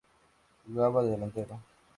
Jugaba de delantero.